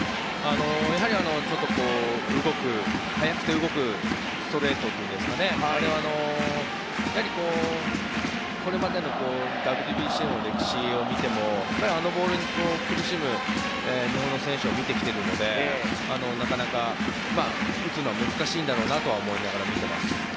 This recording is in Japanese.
やはり、速くて動くストレートといいますかこれまでのＷＢＣの歴史を見てもあのボールに苦しむ日本の選手が出てきているのでなかなか打つのは難しいんだろうなと思って見ています。